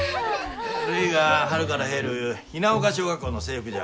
るいが春から入る雛丘小学校の制服じゃ。